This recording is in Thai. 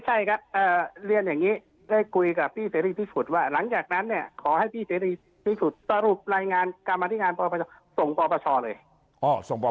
ใช้ช่องทางของสภา